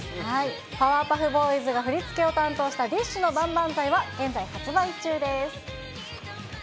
パワーパフボーイズが振り付けを担当した、ＤＩＳＨ／／の万々歳は、現在、発売中です。